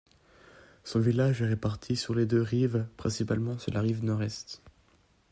Son village est réparti sur les deux rives, principalement sur la rive nord-est.